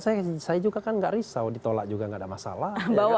saya juga kan nggak risau ditolak juga nggak ada masalah